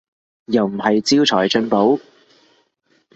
又唔係招財進寶